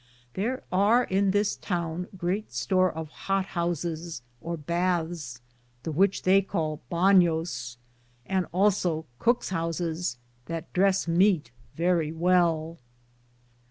Thare ar in this toune great store of hote houses, or bathes, the which they call bangowes,^ and also cooke's housis, that dress meate verrie well.